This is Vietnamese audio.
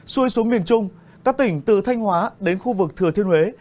xuôi xuống miền trung các tỉnh từ thanh hóa đến khu vực thừa thiên huế